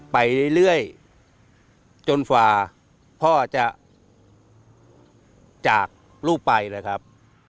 ไปเรื่อยจนฝ่าพ่อจะจากลูกไปนะครับ